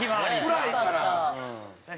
暗いから。